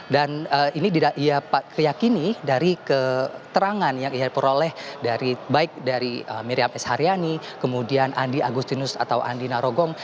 dan ini dia teryakini dari keterangan yang ia peroleh baik dari miriam s haryani kemudian andi agustinus atau andi narogong